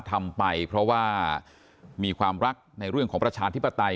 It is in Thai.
ทำไปเพราะว่ามีความรักในเรื่องของประชาธิปไตย